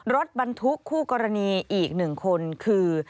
รถบรรทุกคู่กรณีอีก๑คนคือ